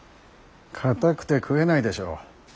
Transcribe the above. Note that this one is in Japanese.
かたくて食えないでしょう。